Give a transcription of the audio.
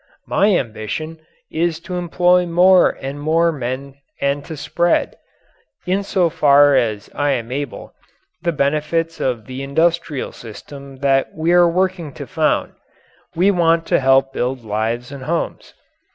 My ambition is to employ more and more men and to spread, in so far as I am able, the benefits of the industrial system that we are working to found; we want to help build lives and homes.